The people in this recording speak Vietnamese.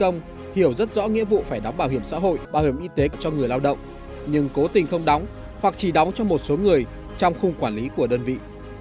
nhiều rất rõ nghĩa vụ phải đóng bảo hiểm xã hội bảo hiểm y tế cho người lao động nhưng cố tình không đóng hoặc chỉ đóng cho một số người trong khung quản lý của đơn vị